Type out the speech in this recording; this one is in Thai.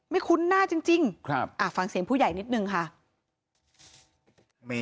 คุ้นหน้าจริงฟังเสียงผู้ใหญ่นิดนึงค่ะ